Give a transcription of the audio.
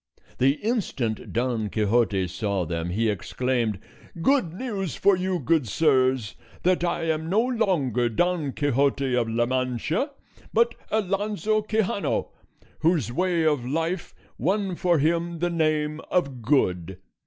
The instant Don Quixote saw them he exclaimed: "Good news for you, good sirs, that I am no longer Don Quixote of La Mancha, but Alonso Quixano, whose way of life won for him the name of Good.